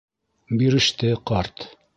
Биреште ҡарт.